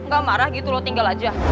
gak marah gitu loh tinggal aja